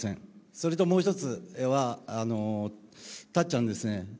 それともう一つは、たっちゃんですね。